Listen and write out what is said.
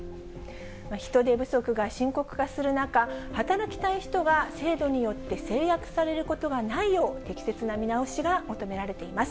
人手不足が深刻化する中、働きたい人が制度によって制約されることがないよう適切な見直しが求められています。